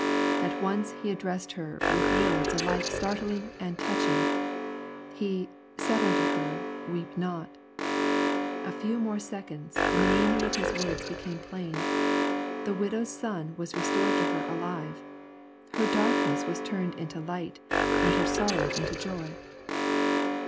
At once He addressed her with words alike startling and touching : He " said unto her. Weep not." — A few more seconds, and the meaning of His words became plain. The widow's son was restored to her alive. Her darkness was turned into light, and her sorrow into joy.